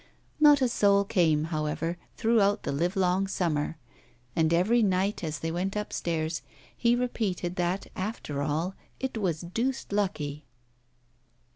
Not a soul came, however, throughout the livelong summer. And every night as they went upstairs, he repeated that, after all, it was deuced lucky.